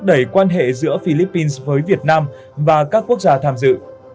cảnh sát philippines sẽ thúc đẩy quan hệ giữa philippines với việt nam và các quốc gia tham dự